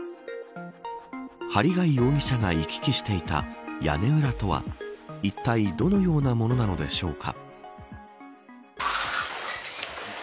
針谷容疑者が行き来していた屋根裏とは、いったいどのようなものなのでしょうか。